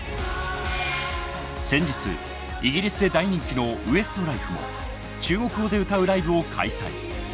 先日イギリスで大人気のＷｅｓｔｌｉｆｅも中国語で歌うライブを開催。